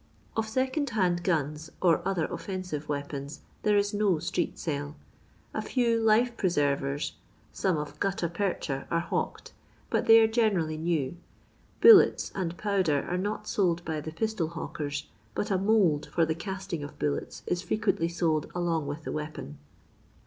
Of iecond kand guns, or other offensive weapons, there is no street sale. A few " life preservers,'* some of gutta percha, are hawked, but they ore generally new. Bullets and powder are not sold by the pistol hawkers, but a mould for the casting of bullets is frequently sold along with the weapon.